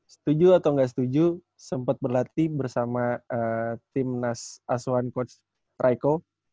setuju atau gak setuju sempet berlatih bersama tim nas aswan coach raiko